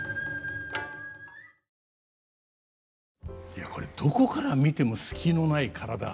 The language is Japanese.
いやこれどこから見ても隙のない体。